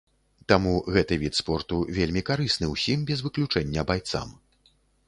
Таму гэты від спорту вельмі карысны ўсім без выключэння байцам.